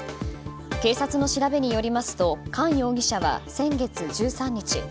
警察の調べによりますとカン容疑者は先月１３日